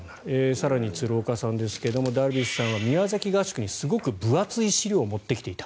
更に、鶴岡さんですがダルビッシュさんは宮崎合宿にすごい分厚い資料を持ってきていた。